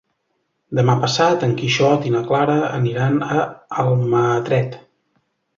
Demà passat en Quixot i na Clara aniran a Almatret.